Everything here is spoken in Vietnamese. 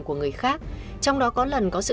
của người khác trong đó có lần có sự